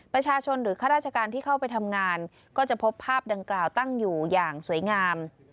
ประชาชนหรือข้าราชการที่เข้าไปทำงานก็จะพบภาพดังกล่าวตั้งอยู่อย่างสวยงาม